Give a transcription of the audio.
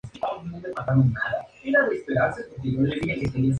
Es el mejor amigo de Franklin, tiene la misma edad de Franklin.